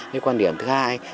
cái quan điểm thứ hai